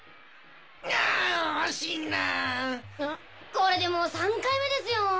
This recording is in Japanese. これでもう３回目ですよ！